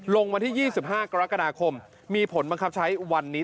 วันที่๒๕กรกฎาคมมีผลบังคับใช้วันนี้